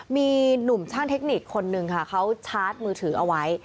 มีหนุ่มช่างเทคนิคคนนึงค่ะเขาชาร์จมือถือเอาไว้